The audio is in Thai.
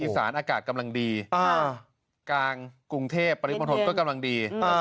อีสานอากาศกำลังดีอ่ากลางกรุงเทพฯปริศมธรรมก็กำลังดีอ่า